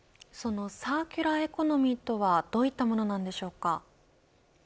サーキュラーエコノミーとはどういったものなんでしょうか。